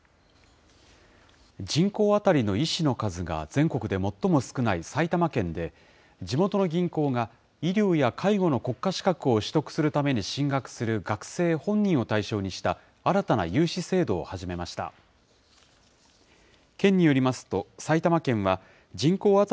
人口当たりの医師の数が全国で最も少ない埼玉県で、地元の銀行が、医療や介護の国家資格を取得するために進学する学生本人を対象にした、新たな融資制度を始めました。